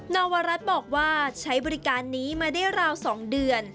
นวรัฐบอกว่าใช้บริการนี้มาได้ราว๒เดือน